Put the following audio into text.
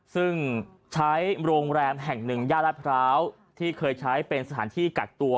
ซึ่งใช้โรงแรมแห่งหนึ่งย่ารัฐพร้าวที่เคยใช้เป็นสถานที่กักตัว